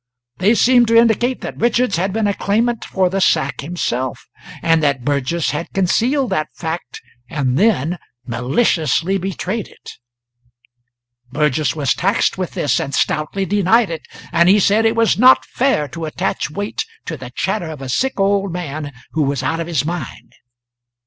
They seemed to indicate that Richards had been a claimant for the sack himself, and that Burgess had concealed that fact and then maliciously betrayed it. Burgess was taxed with this and stoutly denied it. And he said it was not fair to attach weight to the chatter of a sick old man who was out of his mind.